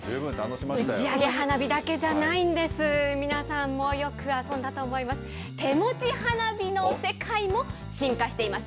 打ち上げ花火だけじゃないんです、皆さんもよく遊んだと思います、手持ち花火の世界も、進化しています。